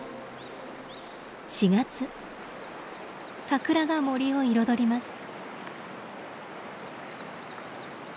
サクラが森を彩ります。